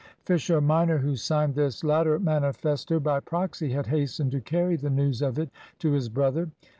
Fisher minor, who signed this latter manifesto by proxy had hastened to carry the news of it to his brother.